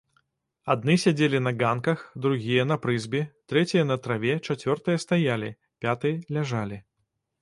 Адны сядзелі на ганках, другія на прызбе, трэція на траве, чацвёртыя стаялі, пятыя ляжалі.